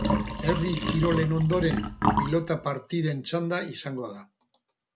Herri kirolen ondoren pilota partiden txanda izango da.